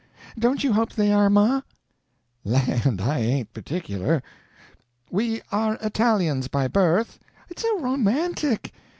Don't you hope they are, ma?" "Land, I ain't particular. 'We are Italians by birth '" "It's so romantic!